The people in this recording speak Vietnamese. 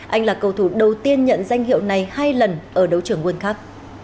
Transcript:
anh là cầu thủ đầu tiên nhận danh hiệu này hai lần ở đấu trưởng world cup